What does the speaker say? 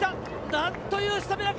なんというスタミナか。